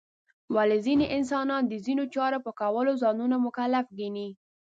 ولې ځینې انسانان د ځینو چارو په کولو ځانونه مکلف ګڼي؟